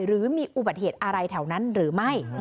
หรือมีอุบัติเหตุอะไรแถวนั้นหรือไม่